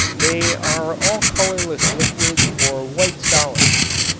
They are all colorless liquids or white solids.